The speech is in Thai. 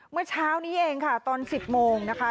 เมื่อเช้านี้เองค่ะตอน๑๐โมงนะคะ